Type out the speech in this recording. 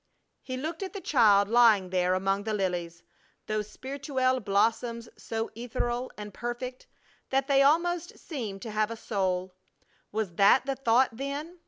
He looked at the child lying there among the lilies, those spirituelle blossoms so ethereal and perfect that they almost seem to have a soul. Was that the thought, then?